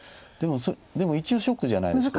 でも一応ショックじゃないですか。